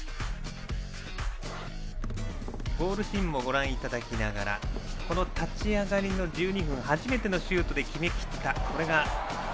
ゴールシーンもご覧いただきながらこの立ち上がりの１２分初めてのシュートで決めきった。